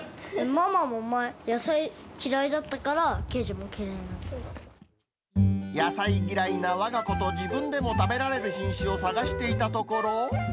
ママも前、野菜嫌いだったから、野菜嫌いなわが子と自分でも食べられる品種を探していたところ。